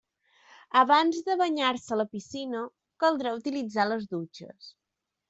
Abans de banyar-se a la piscina caldrà utilitzar les dutxes.